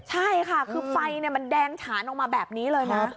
ใช่ค่ะคือไฟมันแดงฉานออกมาแบบนี้เลยนะ